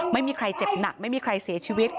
ไม่มีใครเจ็บหนักไม่มีใครเสียชีวิต